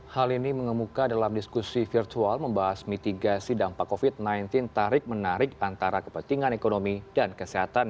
hal ini mengemuka dalam diskusi virtual membahas mitigasi dampak covid sembilan belas tarik menarik antara kepentingan ekonomi dan kesehatan